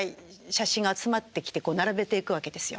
写真が集まってきて並べていくわけですよ。